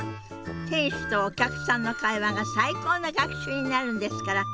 店主とお客さんの会話が最高の学習になるんですから。